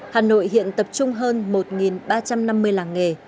hà nội hiện tập trung hơn một ba trăm năm mươi làng nghề